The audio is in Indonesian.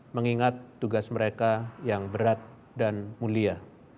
mengingat tugas mereka yang berat dan mulia